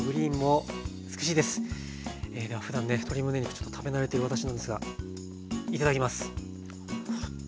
ではふだんね鶏むね肉ちょっと食べ慣れてる私なんですがいただきます。